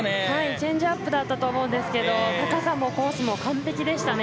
チェンジアップだったと思いますけど高さもコースも完璧でしたね。